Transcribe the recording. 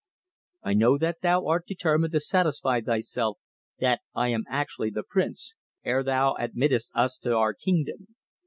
I know that thou art determined to satisfy thyself that I am actually the Prince, ere thou admittest us to our kingdom."